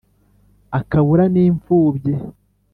akabura n’impfubyi.